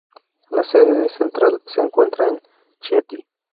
La sede central se encuentra en Chieti.